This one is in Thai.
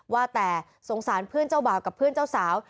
ว่าแต่สงสารเพื่อนเจ้าบ่าวกับเพื่อนเจ้าสาว